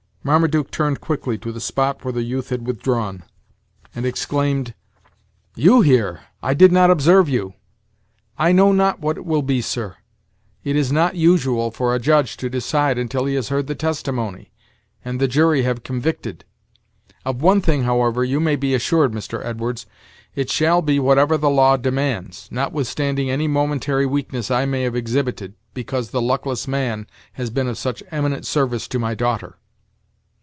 Marmaduke turned quickly to the spot where the youth had withdrawn, and exclaimed: "You here! I did not observe you. I know not what it will be, sir; it is not usual for a judge to decide until he has heard the testimony, and the jury have convicted. Of one thing, however, you may be assured, Mr. Edwards; it shall be whatever the law demands, notwithstanding any momentary weakness I may have exhibited, because the luckless man has been of such eminent service to my daughter."